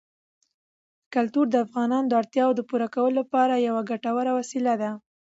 کلتور د افغانانو د اړتیاوو د پوره کولو لپاره یوه ګټوره وسیله ده.